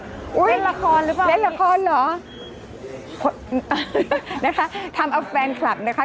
เล่นละครหรือเปล่านี่นะคะทำเอาแฟนคลับนะคะ